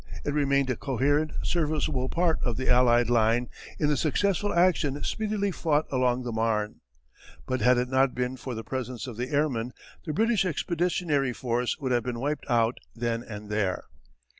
It remained a coherent, serviceable part of the allied line in the successful action speedily fought along the Marne. But had it not been for the presence of the airmen the British expeditionary force would have been wiped out then and there.